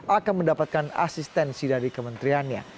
akan mendapatkan asistensi dari kementeriannya